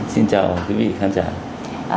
xin chào quý vị khán giả